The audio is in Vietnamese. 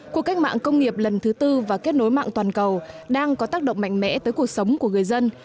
cuộc cách mạng công nghiệp lần thứ tư và kết nối mạng toàn cầu đang có tác động mạnh mẽ tới cuộc sống của người dân